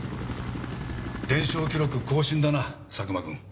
連勝記録更新だな佐久間君。